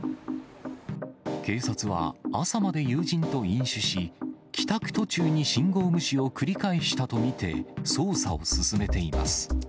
警察は、朝まで友人と飲酒し、帰宅途中に信号無視を繰り返したと見て、捜査を進めています。